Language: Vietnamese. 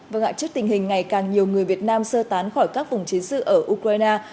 vâng ạ trước tình hình ngày càng nhiều người việt nam sơ tán khỏi các vùng chiến sự ở ukraine